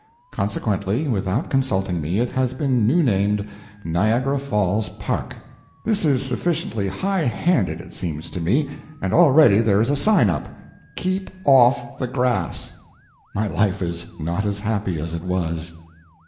Consequently, without consulting me, it has been new named Niagara Falls Park. This is sufficiently high handed, it seems to me. And already there is a sign up: KEEP OFF THE GRASS My life is not as happy as it was.